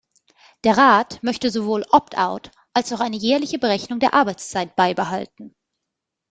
Der Rat möchte sowohl Opt-out als auch eine jährliche Berechnung der Arbeitszeit beibehalten.